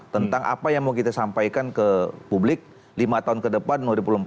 tentang apa yang mau kita sampaikan ke publik lima tahun ke depan